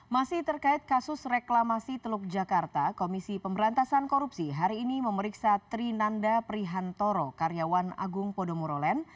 masih terkait kasus reklamasi teluk jakarta komisi pemberantasan korupsi hari ini memeriksa trinanda prihantoro karyawan agung podomorolen